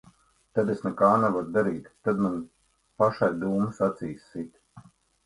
Tad es nekā nevaru darīt. Tad man pašai dūmus acīs sit.